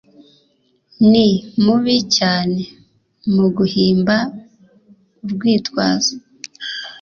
Ni mubi cyane muguhimba urwitwazo.